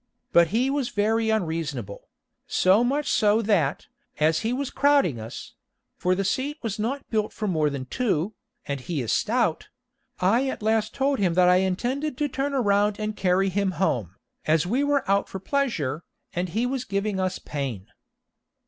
But he was very unreasonable; so much so that, as he was crowding us for the seat was not built for more than two, and he is stout I at last told him that I intended to turn around and carry him home, as we were out for pleasure, and he was giving us pain.